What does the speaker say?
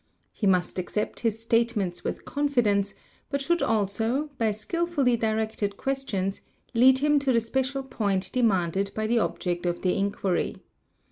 He must accept his statements with confidence, but should also, by skilfully directed questions, lead him to the special point demand ed by the object of the inquiry.